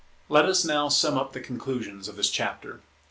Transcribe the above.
Let us now sum up the conclusions of this chapter.